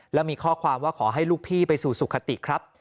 แล้วมีข้อความว่าขอให้ลูกพี่ไปสู่สุขติครับ